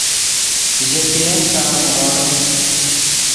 ژے ګئین سورو نیغوڑیم